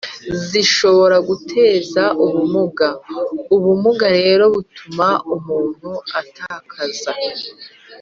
zishobora gutera ubumuga. ubumuga rero butuma umuntu atakaza